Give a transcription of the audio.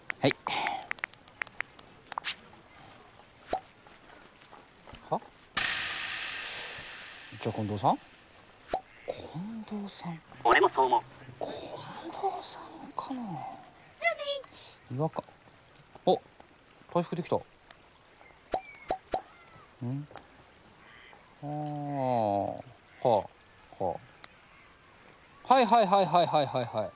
はいはいはいはいはいはいはい！